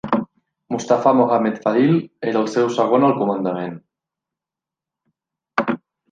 Mustafa Mohamed Fadhil era el seu segon al comandament.